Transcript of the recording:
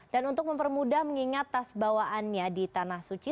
dan untuk mempermudah mengingat tas bawaannya di tanah suci